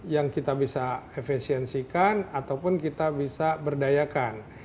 yang kita bisa efisiensikan ataupun kita bisa berdayakan